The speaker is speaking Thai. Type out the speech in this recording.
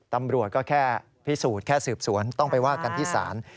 ตำรวจก็แค่พิสูจน์แค่สืบสวนต้องไปว่ากันที่ศาล